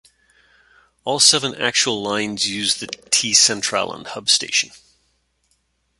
All seven actual lines use The "T-Centralen" hub station.